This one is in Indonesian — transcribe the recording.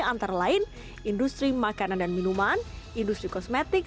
antara lain industri makanan dan minuman industri kosmetik